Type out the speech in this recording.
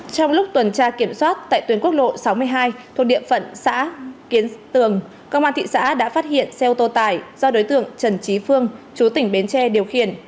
trong lúc tuần tra kiểm soát tại tuyến quốc lộ sáu mươi hai thuộc địa phận xã kiến tường công an thị xã đã phát hiện xe ô tô tải do đối tượng trần trí phương chú tỉnh bến tre điều khiển